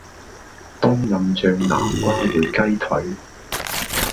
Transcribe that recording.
冬蔭醬南瓜燴雞腿